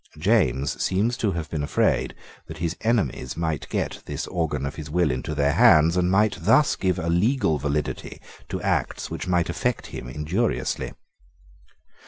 James seems to have been afraid that his enemies might get this organ of his will into their hands, and might thus give a legal validity to acts which might affect him injuriously.